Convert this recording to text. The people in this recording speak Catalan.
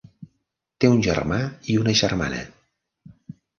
Té un germà i una germana.